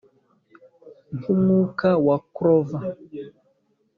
nkumwuka wa clover!